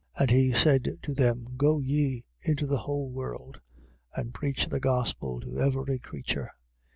16:15. And he said to them: Go ye into the whole world and preach the gospel to every creature.